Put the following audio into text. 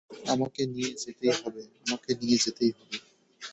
আমাকে নিয়ে যেতেই হবে।